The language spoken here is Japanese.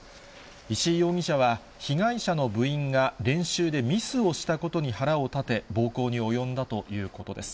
石井容疑者は、被害者の部員が、練習でミスをしたことに腹を立て、暴行に及んだということです。